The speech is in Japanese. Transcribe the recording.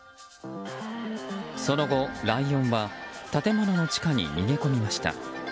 その後、ライオンは建物の地下に逃げ込みました。